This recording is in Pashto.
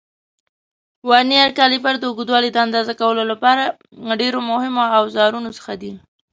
ورنیر کالیپر د اوږدوالي د اندازه کولو له ډېرو مهمو اوزارونو څخه دی.